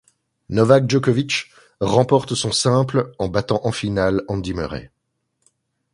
Novak Djokovic remporte son en simple en battant en finale Andy Murray.